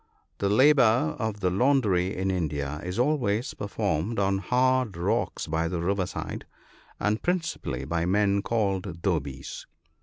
— The labour of the laundry in India is always per formed on hard rocks by the river side, and principally by men called "dhobies."